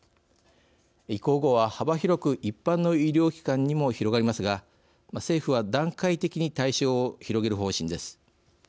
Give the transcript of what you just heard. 移行後は、幅広く一般の医療機関にも広がりますが政府は段階的に対象を広げる方針です。